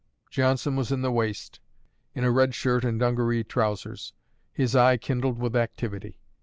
Johnson was in the waist, in a red shirt and dungaree trousers, his eye kindled with activity.